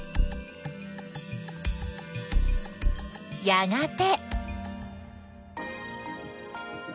やがて。